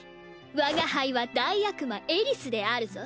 我が輩は大悪魔エリスであるぞ。